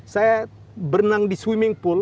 saya berenang di swimming pool